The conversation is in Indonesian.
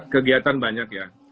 kegiatan banyak ya